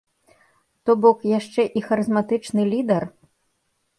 То бок, яшчэ і харызматычны лідар?